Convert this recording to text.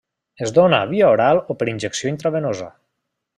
Es dóna via oral o per injecció intravenosa.